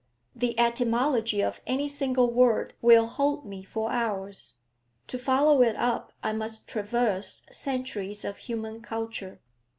The etymology of any single word will hold me for hours; to follow it up I must traverse centuries of human culture.